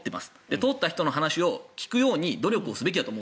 通った人の話を聞くように努力すべきだと。